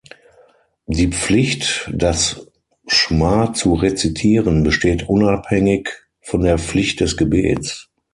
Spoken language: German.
Die Pflicht, das Schma zu rezitieren, besteht unabhängig von der Pflicht des Gebets.